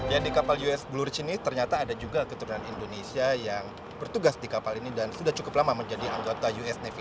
jadi kapal uss blue ridge ini ternyata ada juga keturunan indonesia yang bertugas di kapal ini dan sudah cukup lama menjadi anggota uss navy